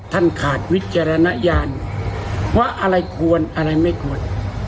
ขาดวิจารณญาณว่าอะไรควรอะไรไม่ควร